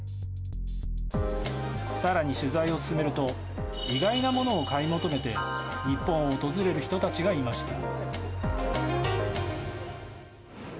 更に取材を進めると意外なものを買い求めて日本を訪れる人たちがいました。